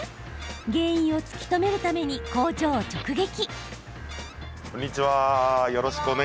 原因を突き止めるために工場を直撃。